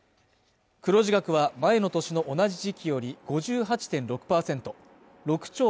黒字額は前の年の同じ時期より５８．６％６兆８０００億